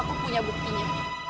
aku punya buktinya